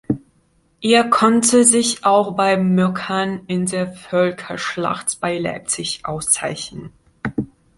Er konnte sich auch bei Möckern in der Völkerschlacht bei Leipzig auszeichnen.